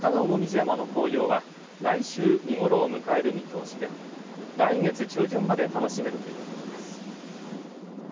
山の紅葉は来週見頃を迎える見通しで来月中旬まで楽しめるということです。